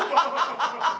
ハハハハ！